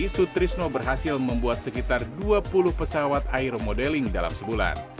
aibda sutrisno berhasil membuat sekitar dua puluh pesawat iron modeling dalam sebulan